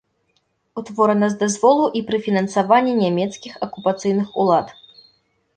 Утворана з дазволу і пры фінансаванні нямецкіх акупацыйных улад.